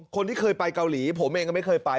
คนที่เคยไปเกาหลีผมเองก็ไม่เคยไป